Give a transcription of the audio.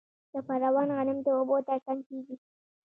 د پروان غنم د اوبو ترڅنګ کیږي.